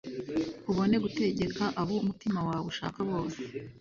ubone gutegeka abo umutima wawe ushaka bose